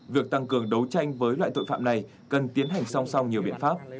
việc tăng cường đấu tranh với loại tội phạm này cần tiến hành song song nhiều biện pháp